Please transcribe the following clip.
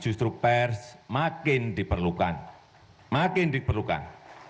justru pr semakin diperlukan makin diperlukan